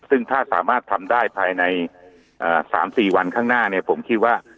ซึ่งถ้าสามารถทำได้ภายใน๓๔วันข้างหน้าเนี่ยผมคิดว่า